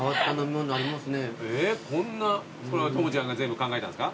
こんなこれはトモちゃんが全部考えたんですか？